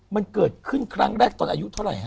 มันเกิดขึ้นครั้งแรกตอนอายุเท่าไหร่